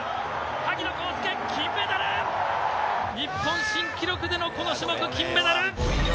萩野公介金メダル！日本新記録でのこの種目金メダル！